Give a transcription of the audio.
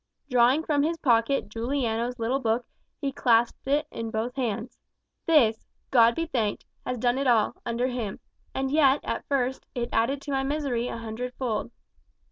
Drawing from his pocket Juliano's little book, he clasped it in both hands. "This, God be thanked, has done it all, under him. And yet, at first, it added to my misery a hundred fold."